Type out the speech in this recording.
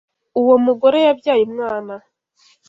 Uwo mugore yabyaye umwana.